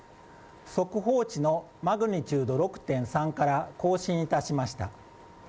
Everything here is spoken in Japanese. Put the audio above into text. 速報値のマグニチュード６．３から更新いたしました。